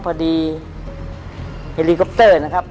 พอดีเฮลิคอปเตอร์นะครับ